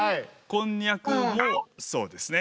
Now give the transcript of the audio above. こんにゃくもそうですね。